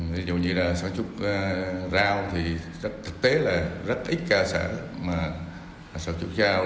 ví dụ như là sản xuất rau thì thực tế là rất ít cơ sở mà sản xuất rau